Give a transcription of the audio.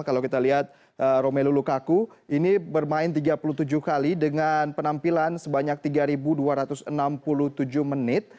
kalau kita lihat romelu lukaku ini bermain tiga puluh tujuh kali dengan penampilan sebanyak tiga dua ratus enam puluh tujuh menit